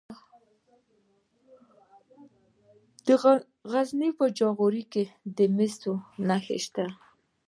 د غزني په جاغوري کې د مسو نښې شته.